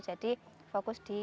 jadi fokus di dalamnya